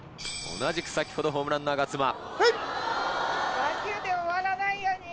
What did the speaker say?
同じく先ほどホームランの我妻。